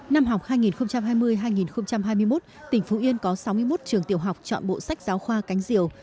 năm học hai nghìn hai mươi hai nghìn hai mươi một tỉnh phú yên có sáu mươi một trường tiểu học chọn bộ sách giáo khoa cánh diều